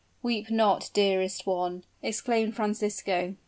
"Weep not, dearest one!" exclaimed Francisco.